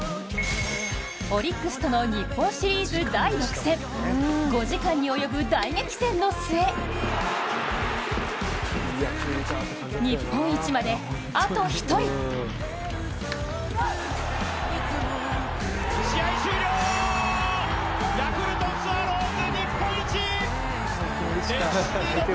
オリックスとの日本シリーズ第６戦５時間に及ぶ大激戦の末、日本一まで、あと一人試合終了、ヤクルトスワローズ